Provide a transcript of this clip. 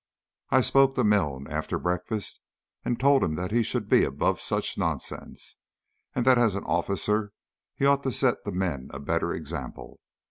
I spoke to Milne after breakfast, and told him that he should be above such nonsense, and that as an officer he ought to set the men a better example.